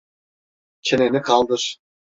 Çeneni kaldır.